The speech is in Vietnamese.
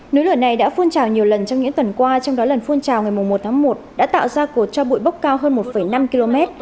núi lửa này đã phun trào nhiều lần trong những tuần qua trong đó lần phun trào ngày một tháng một đã tạo ra cột cho bụi bốc cao hơn một năm km